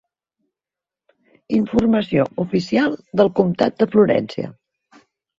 Informació oficial del comptat de Florència.